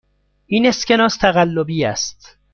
این اسکناس تقلبی است.